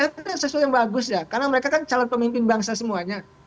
ya saya melihatnya sesuatu yang bagus ya karena mereka kan calon pemimpin bangsa semuanya